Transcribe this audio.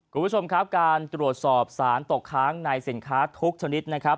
คุณผู้ชมครับการตรวจสอบสารตกค้างในสินค้าทุกชนิดนะครับ